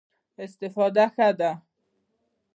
استفاده ښه ده.